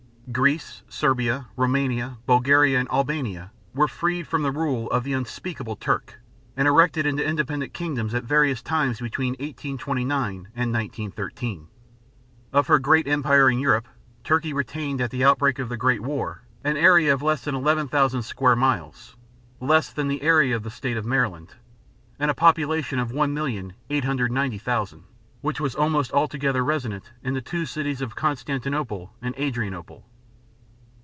Greece, Serbia, Roumania, Bulgaria, and Albania were freed from the rule of the "unspeakable Turk" and erected into independent kingdoms at various times between 1829 and 1913. Of her great empire in Europe, Turkey retained, at the outbreak of the Great War, an area of less than 11,000 square miles (less than the area of the state of Maryland), and a population of 1,890,000, which was almost altogether resident in the two cities of Constantinople and Adrianople.